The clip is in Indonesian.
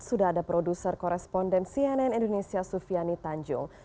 sudah ada produser koresponden cnn indonesia sufiani tanjung